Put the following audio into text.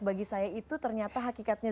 bagi saya itu ternyata hakikatnya